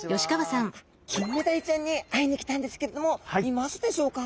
キンメダイちゃんに会いに来たんですけれどもいますでしょうか？